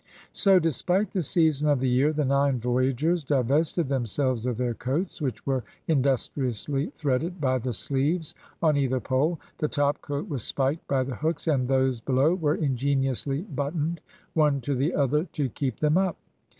So, despite the season of the year, the nine voyagers divested themselves of their coats, which were industriously threaded by the sleeves on either pole. The top coat was spiked by the hooks, and those below were ingeniously buttoned one to the other to keep them up.